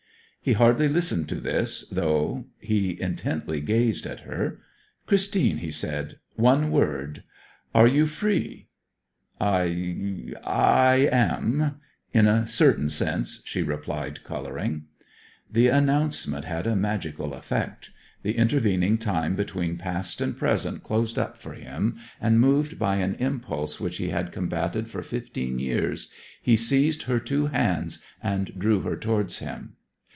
He hardly listened to this, though he intently gazed at her. 'Christine,' he said, 'one word. Are you free?' 'I I am in a certain sense,' she replied, colouring. The announcement had a magical effect. The intervening time between past and present closed up for him, and moved by an impulse which he had combated for fifteen years, he seized her two hands and drew her towards him.